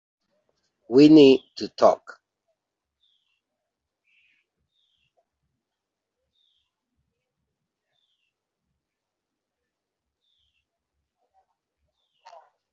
We need to talk.